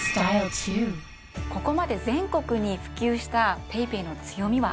ここまで全国に普及した「ＰａｙＰａｙ」の強みはありますか？